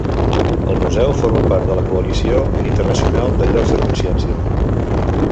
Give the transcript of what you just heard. El Museu forma part de la Coalició Internacional de Llocs de Consciència.